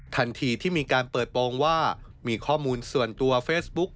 ทันทีที่มีการเปิดโปรงว่ามีข้อมูลส่วนตัวเฟซบุ๊ก